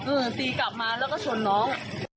อืมอืมตีกลับมาแล้วก็ชนน้อง